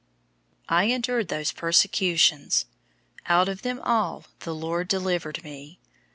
I endured those persecutions. Out of them all the Lord delivered me.